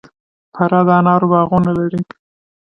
فراه د انارو باغونه لري